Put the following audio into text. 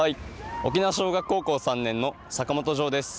沖縄尚学高校３年の坂本条です。